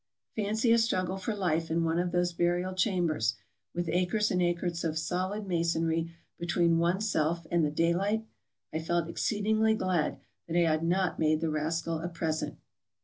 Fancy a struggle for life in one of those burial chambers, with acres and acres of solid masonry between oneself and the daylight! I felt ex ceedingly glad that I had not made the rascal a present.